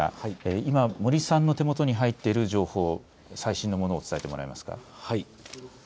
今森さんの手元に入っている情報、最新のものを伝えてもらえますか。